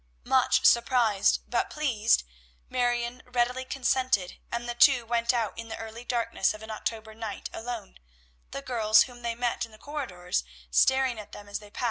Much surprised, but pleased, Marion readily consented, and the two went out in the early darkness of an October night alone, the girls whom they met in the corridors staring at them as they passed.